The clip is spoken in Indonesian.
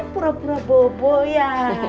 pura pura bobo ya